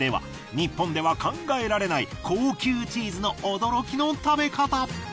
日本では考えられない高級チーズの驚きの食べ方。